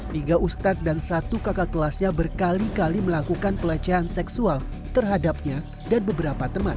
tiga ustadz dan satu kakak kelasnya berkali kali melakukan pelecehan seksual terhadapnya dan beberapa teman